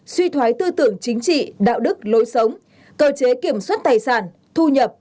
suy thoái tư tưởng chính trị đạo đức lối sống cơ chế kiểm soát tài sản thu nhập